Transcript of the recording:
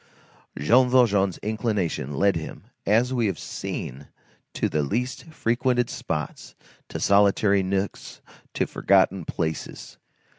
Jean Valjean's inclination led him, as we have seen, to the least frequented spots, to solitary nooks, to forgotten places.